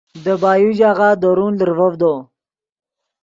دے بایو ژاغہ درون لرڤڤدو